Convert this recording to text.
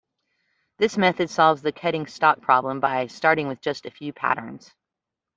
This method solves the cutting-stock problem by starting with just a few patterns.